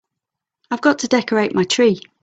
I've got to decorate my tree.